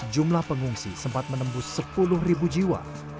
jumlah pengungsi sempat menembus sepuluh jiwa